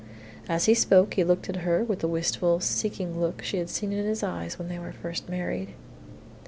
As he spoke he looked at her with the wistful, seeking look she had seen in his eyes when they were first married.